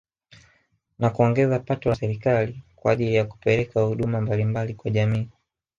Na kuongeza pato la serikali kwa ajili ya kupeleka huduma mbalimbali kwa jamii